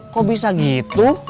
kok bisa gitu